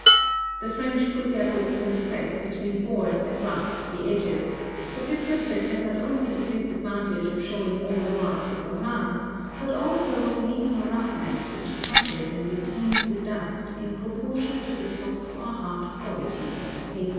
The French put their books in the press between boards and rasp the edges, but this method has not only the disadvantage of showing all the marks of the rasp, but also of leaving a roughness which catches and retains the dust in proportion to the soft or hard qualities of the paper.